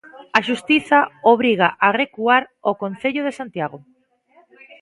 A Xustiza obriga a recuar o Concello de Santiago.